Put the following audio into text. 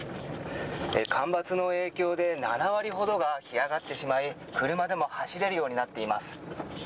干ばつの影響で、７割ほどが干上がってしまい、車でも走れるようになっています。